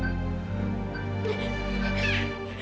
dia sudah berakhir